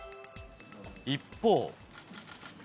一方。